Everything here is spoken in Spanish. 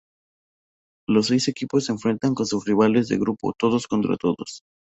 Los seis equipos se enfrentan con sus rivales de grupo todos contra todos.